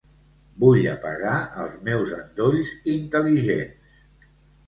Vull apagar els meus endolls intel·ligents.